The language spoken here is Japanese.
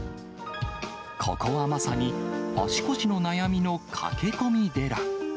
ここはまさに、足腰の悩みの駆け込み寺。